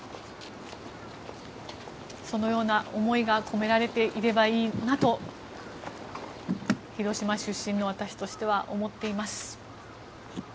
そのような思いが込められていればいいなと広島出身の私としては思っています。